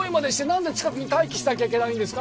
何で近くに待機しなきゃいけないんですか